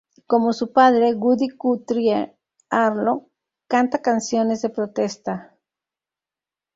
Como su padre, Woody Guthrie, Arlo canta canciones de protesta.